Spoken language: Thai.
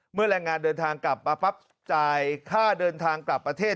แรงงานเดินทางกลับมาปั๊บจ่ายค่าเดินทางกลับประเทศ